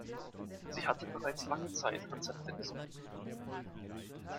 Sie hatte bereits lange Zeit Rezepte gesammelt.